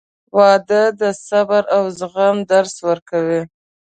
• واده د صبر او زغم درس ورکوي.